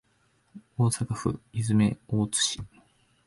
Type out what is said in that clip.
大阪府泉大津市